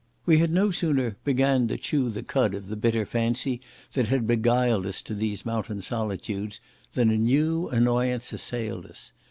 We had no sooner began to "chew the cud" of the bitter fancy that had beguiled us to these mountain solitudes than a new annoyance assailed us.